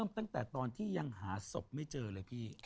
ตั้งแต่ตอนที่ยังหาศพไม่เจอเลยพี่